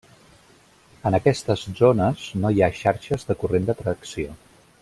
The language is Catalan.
En aquestes zones no hi ha xarxes de corrent de tracció.